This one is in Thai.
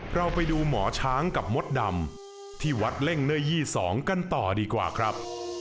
เราไปดูหมอช้างกับมดดำที่วัดเล่งเนื้อยี่๒กันต่อดีกว่าครับ